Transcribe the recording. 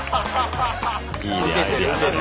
いいねアイデアだね。